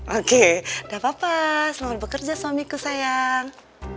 oke udah papa selamat bekerja suamiku sayang